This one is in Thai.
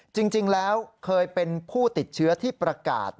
จริงแล้วเคยเป็นผู้ติดเชื้อที่ประกาศ